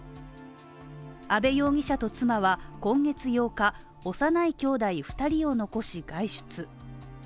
阿部容疑者と妻は、今月８日幼い兄弟２人を残し外出。